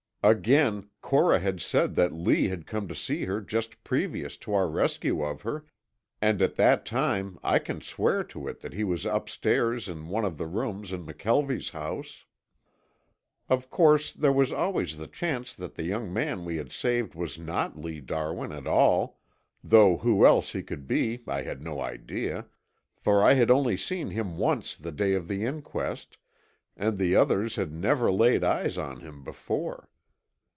Again, Cora had said that Lee had come to see her just previous to our rescue of her, and at that time I can swear to it that he was upstairs in one of the rooms in McKelvie's house. Of course there was always the chance that the young man we had saved was not Lee Darwin at all (though who else he could be I had no idea), for I had only seen him once the day of the inquest, and the others had never laid eyes on him before.